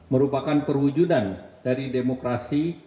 merupakan perwujudan dari demokrasi